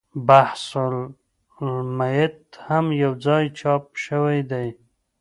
بحث المیت هم یو ځای چاپ شوی دی.